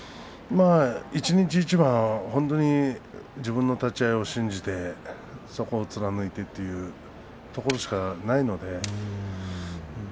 まあ、一日一番自分の立ち合いを信じてそこを貫いてということしかないので。